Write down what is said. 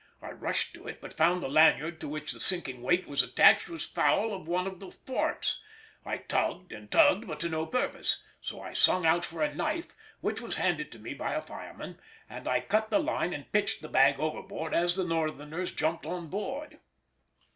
I rushed to it, but found the lanyard to which the sinking weight was attached was foul of one of the thwarts; I tugged and tugged, but to no purpose, so I sung out for a knife which was handed to me by a fireman, and I cut the line and pitched the bag overboard as the Northerners jumped on board.